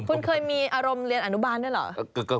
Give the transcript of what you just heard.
คุณเคยมีอารมณ์เรียนอนุบาลด้วยเหรอ